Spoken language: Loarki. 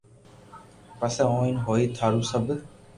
پسو ٺين ھي ھوئي ٿارو سب